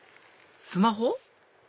スマホ？